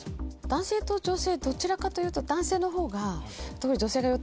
男性と女性どちらかというと男性のほうが。